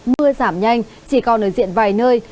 mưa giảm nhanh chỉ còn ở diện vài nơi